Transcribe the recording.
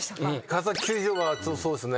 川崎球場はそうですね。